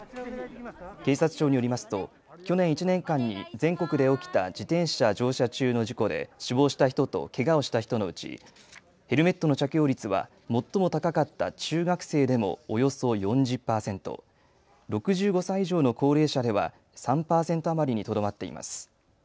警察庁によりますと去年１年間に全国で起きた自転車乗車中の事故で死亡した人とけがをした人のうちヘルメットの着用率は最も高かった中学生でもおよそ４０％、６５歳以上の高齢者では３％余りにとどまっています。